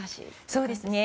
そうですね。